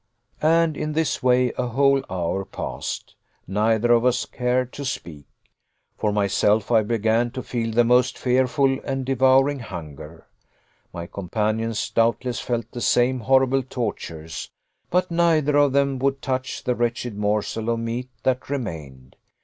And in this way a whole hour passed. Neither of us cared to speak. For myself, I began to feel the most fearful and devouring hunger. My companions, doubtless, felt the same horrible tortures, but neither of them would touch the wretched morsel of meat that remained.